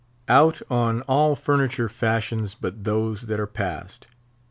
Out on all furniture fashions but those that are past!